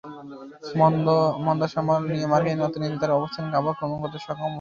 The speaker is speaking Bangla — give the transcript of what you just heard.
মন্দা সামাল দিয়ে মার্কিন অর্থনীতি তার অবস্থানকে আবার প্রমাণ করতে সক্ষম হয়েছে।